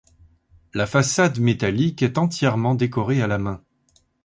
La façade métallique est entièrement décorée à la main.